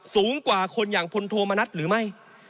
สูงกว่าคนอย่างพลโทมณัฐหรือไม่